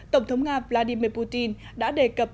tổng thống nga vladimir putin đã đề cập